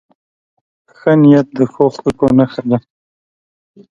ښه نیت د ښو خلکو نښه ده.